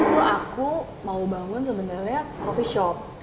waktu itu aku mau bangun sebenarnya coffee shop